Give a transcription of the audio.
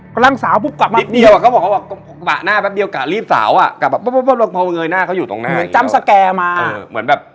ก็สองสามร้อยเมตรครับประมาณนั้นเขาแบบ